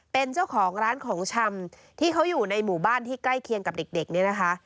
เป็นเจ้าของร้านของชำที่เขาอยู่ในหมู่บ้านที่ใกล้เคียงกับเด็กเนี่ยนะคะ